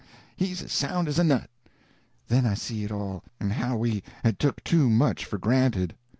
—he's as sound as a nut." Then I see it all, and how we had took too much for granted.